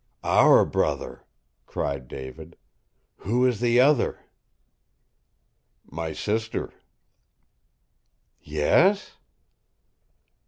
"OUR brother," cried David. "Who is the other?" "My sister." "Yes?"